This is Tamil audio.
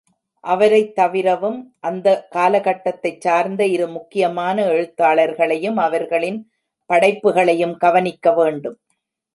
அவரைத் தவிரவும் அந்தக் காலக்கட்டத்தைச் சார்ந்த இரு முக்கியமான எழுத்தாளர்களையும் அவர்களின் படைப்புகளையும் கவனிக்கவேண்டும்.